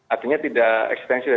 artinya tidak eksistensi